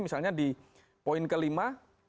misalnya di poin kelima